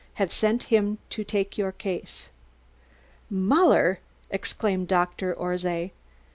Have sent him to take your case.'" "Muller?" exclaimed Dr. Orszay.